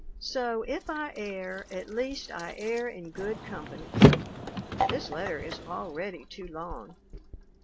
So, if I err, at least I err in good company. "This letter is already too long.